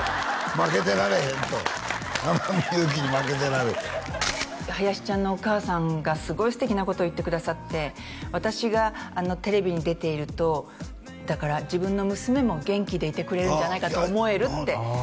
負けてられへんと天海祐希に負けてられへん林ちゃんのお母さんがすごい素敵なことを言ってくださって私がテレビに出ているとだから自分の娘も元気でいてくれるんじゃないかと思えるってだからああ